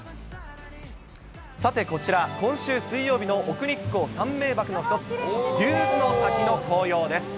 さて、こちら、今週水曜日の奥日光三名ばくの一つ、竜頭ノ滝の紅葉です。